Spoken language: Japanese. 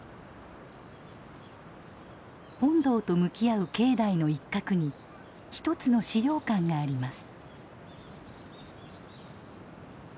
本堂と向き合う境内の一角にひとつの資料館があります。